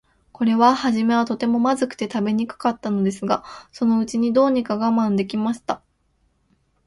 これははじめは、とても、まずくて食べにくかったのですが、そのうちに、どうにか我慢できました。